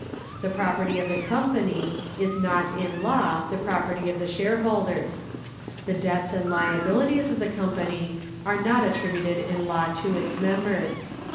^ The property of the company is not in law the property of the shareholders. The debts and liabilities of the company are not attributed in law to its members.